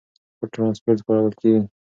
پټ ترانسپورت کارول کېږي.